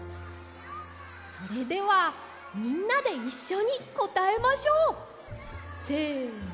それではみんなでいっしょにこたえましょう！せの！